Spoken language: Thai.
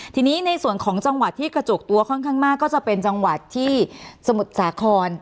ทีนี้ในส่วนของจังหวัดที่กระจกตัวค่อนข้างมากก็จะเป็นจังหวัดที่สมุทรสาคร